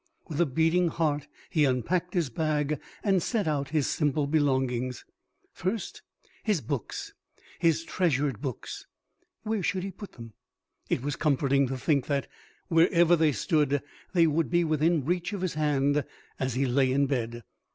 With a beating heart he unpacked his bag and set out his simple belongings. First his books, his treasured books; where should he put them? It was comforting to think that, wherever they stood, they would be within reach of his hand as he lay in bed.